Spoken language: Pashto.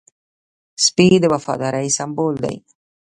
سپي د وفادارۍ سمبول دی.